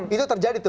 itu terjadi tuh